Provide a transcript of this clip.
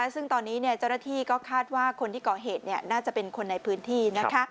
ซึ่งตอนนี้เจ้าหน้าที่ก็คาดว่าคนที่ก่อเหตุน่าจะเป็นคนในพื้นที่